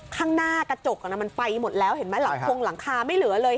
ข้างหน้ากระจกน่ะมันไปหมดแล้วเห็นมั้ยหลังครังไม่เหลือเลย